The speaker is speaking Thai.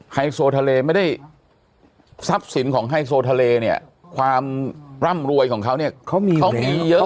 ไฮโซทะเลไม่ได้ทรัพย์สินของไฮโซทะเลเนี่ยความร่ำรวยของเขาเนี่ยเขามีอย่างนี้เยอะ